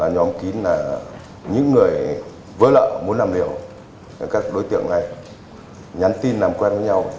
nhóm kín là những người vớ lợ muốn làm hiểu các đối tượng này nhắn tin làm quen với nhau